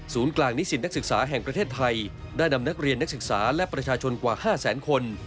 กลางนิสิตนักศึกษาแห่งประเทศไทยได้นำนักเรียนนักศึกษาและประชาชนกว่า๕แสนคน